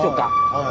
はい。